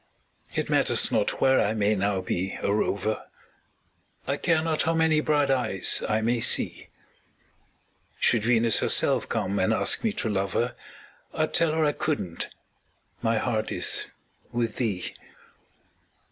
It matters not where I may now be a rover, I care not how many bright eyes I may see; Should Venus herself come and ask me to love her, I'd tell her I couldn't my heart is with thee.